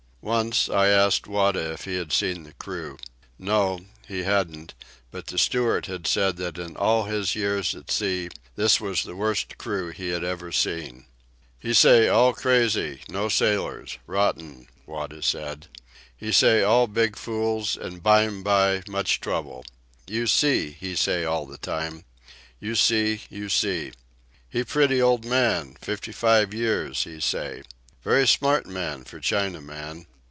Once, I asked Wada if he had seen the crew. No, he hadn't, but the steward had said that in all his years at sea this was the worst crew he had ever seen. "He say, all crazy, no sailors, rotten," Wada said. "He say all big fools and bime by much trouble. 'You see,' he say all the time. 'You see, You see.' He pretty old man—fifty five years, he say. Very smart man for Chinaman.